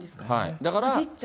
だから。